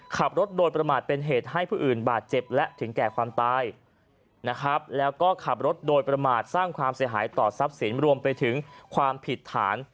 ๑ขับรถโดนประมาทเป็นเหตุให้ผู้อื่นบาดเจ็บและถึงแก่ความตาย